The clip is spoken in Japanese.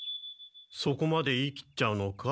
そこまで言い切っちゃうのか？